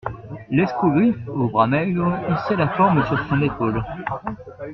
L'escogriffe aux bras maigres hissait la forme sur son épaule.